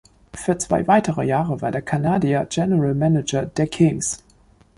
Für zwei weitere Jahre war der Kanadier General Manager der Kings.